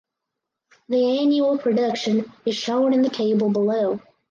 The annual production is shown in table below.